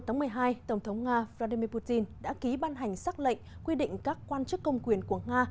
ngày một mươi một một mươi hai tổng thống nga vladimir putin đã ký ban hành xác lệnh quy định các quan chức công quyền của nga